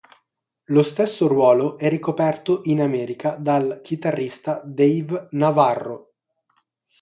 Lo stesso ruolo è ricoperto in America dal chitarrista Dave Navarro.